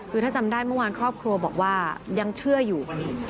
คือถ้าจำได้เมื่อวานครอบครัวบอกว่ายังเชื่ออยู่